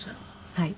はい。